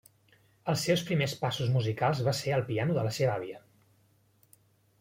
Els seus primers passos musicals va ser al piano de la seva àvia.